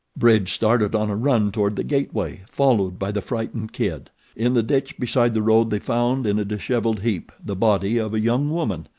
Bridge started on a run toward the gateway, followed by the frightened Kid. In the ditch beside the road they found in a dishevelled heap the body of a young woman.